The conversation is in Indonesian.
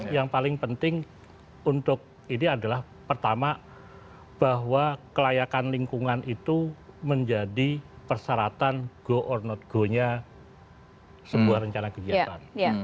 yang paling penting untuk ini adalah pertama bahwa kelayakan lingkungan itu menjadi persyaratan go or not go nya sebuah rencana kegiatan